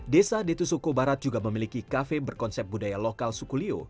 desa detusuko barat juga memiliki kafe berkonsep budaya lokal sukulio